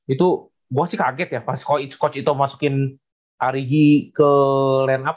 itu gue sih kaget ya pas coach ito masukin ari gi ke line up